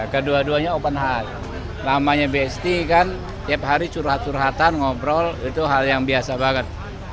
kedua duanya open house namanya bsd kan tiap hari curhat curhatan ngobrol itu hal yang biasa banget